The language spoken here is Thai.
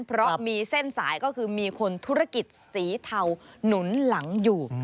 เพราะมีเส้นสายก็คือมีคนธุรกิจสีเทาหนุนหลังอยู่